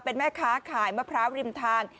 เป็นแม่ค้าขายมะพร้าวริมทาน